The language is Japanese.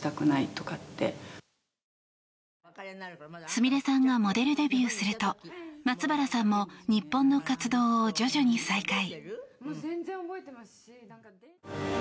すみれさんがモデルデビューすると松原さんも日本の活動を徐々に再開。